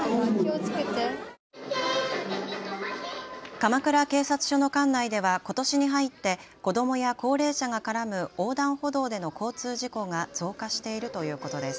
鎌倉警察署の管内ではことしに入って子どもや高齢者が絡む横断歩道での交通事故が増加しているということです。